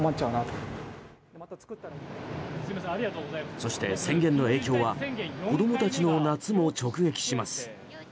そして、宣言の影響は子供たちの夏も直撃します。